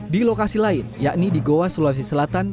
di lokasi lain yakni di goa sulawesi selatan